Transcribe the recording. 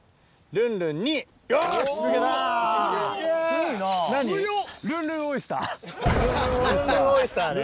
ルンルンオイスターね。